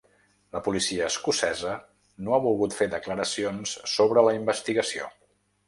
La policia escocesa no ha volgut fer declaracions sobre la investigació.